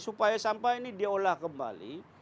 supaya sampah ini diolah kembali